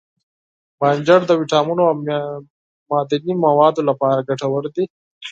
بانجان د ویټامینونو او معدني موادو لپاره ګټور دی.